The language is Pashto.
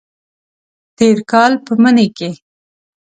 تیر کال په مني کې